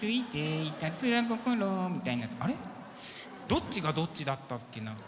どっちがどっちだったっけな？